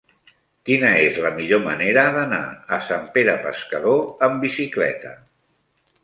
Quina és la millor manera d'anar a Sant Pere Pescador amb bicicleta?